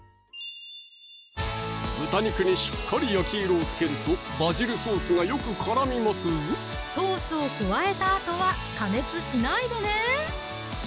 豚肉にしっかり焼き色をつけるとバジルソースがよく絡みますぞソースを加えたあとは加熱しないでね